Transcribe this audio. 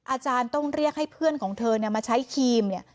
อาจารย์ต้องเรียกให้เพื่อนของเธอมาใช้ครีมเนี่ย